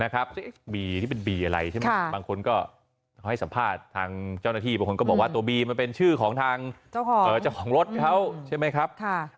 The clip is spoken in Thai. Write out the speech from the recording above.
กรรมการขึ้นมาสอบแบบจริงจังแล้วนะครับ